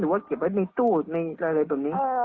หรือว่าเก็บไว้ในตู้อะไรแบบนี้